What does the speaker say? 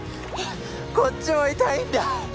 こっちも痛いんだ